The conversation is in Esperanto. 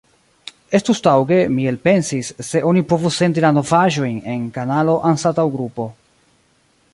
Estus taŭge, mi elpensis, se oni povus sendi la novaĵojn en kanalo anstataŭ grupo.